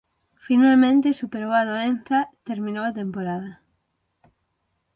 Finalmente superou a doenza terminou a temporada.